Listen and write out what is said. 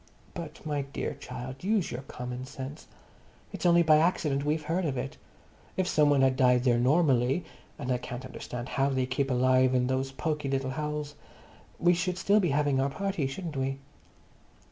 "But, my dear child, use your common sense. It's only by accident we've heard of it. If some one had died there normally—and I can't understand how they keep alive in those poky little holes—we should still be having our party, shouldn't we?"